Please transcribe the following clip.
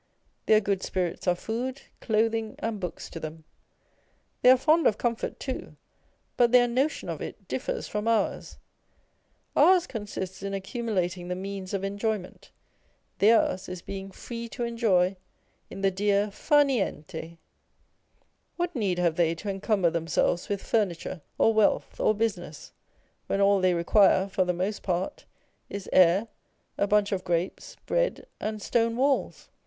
Their good spirits are food, clothing, and books to them. They arc fond of comfort too, but their notion of it differs from ours â€" ours consists in accumulating the means of enjoyment, theirs is being free to enjoy, in the dear /ar niente. What need have they to encumber themselves with furniture or wrealth or business, when all they require (for the most part) is air, a bunch of grapes, bread, and stone walls